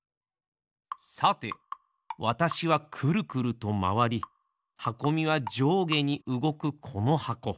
さてわたしはクルクルとまわりはこみがじょうげにうごくこの箱。